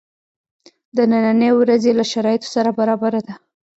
د نني ورځی له شرایطو سره برابره ده.